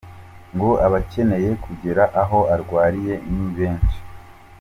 Ngo abakeneye kugera aho arwariye ni benshi.